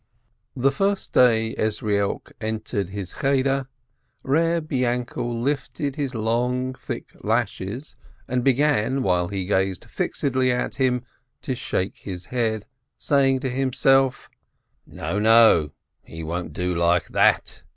The first day Ezrielk entered his Cheder, Eeb Yainkel lifted his long, thick lashes, and began, while he gazed fixedly at him, to shake his head, saying to himself: "No, no, he won't do like that.